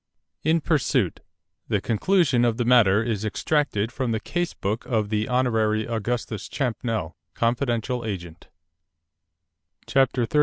In Pursuit The Conclusion of the Matter is extracted from the Case Book of the Hon. Augustus Champnell, Confidential Agent CHAPTER XXXII.